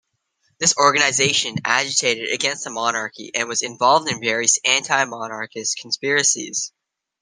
This organization agitated against the monarchy and was involved in various anti-monarchist conspiracies.